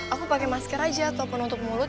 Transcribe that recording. aku pakai masker aja ataupun untuk mulut